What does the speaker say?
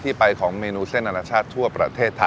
ไปจ้าวไปโบกรถแดงแล้วออกเดินทางไปสืบสาวราวเส้นพร้อมกันนะจ้าว